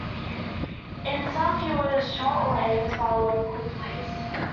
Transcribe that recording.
In some he was shot or hanged by local police.